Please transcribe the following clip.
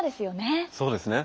そうですね。